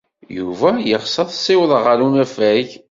Yuba yeɣs ad t-ssiwḍeɣ ɣer unafag?